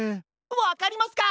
わかりますか！